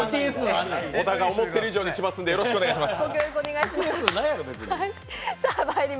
小田が思っている以上に着ますんでよろしくお願いします。